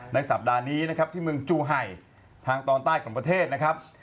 สัปดาห์นี้นะครับที่เมืองจูไห่ทางตอนใต้ของประเทศนะครับ